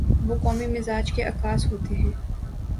وہ قومی مزاج کے عکاس ہوتے ہیں۔